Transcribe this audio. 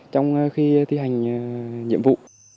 trong khi thi hành nhiệm vụ